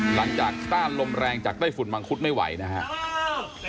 หลังจากสต้านลมแรงจากไต้ฝุ่นมังคุดไม่ไหวนะฮะ